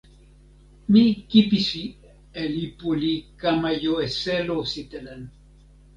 mi kipisi e lipu li kama jo e selo sitelen.